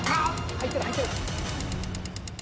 入ってる入ってる。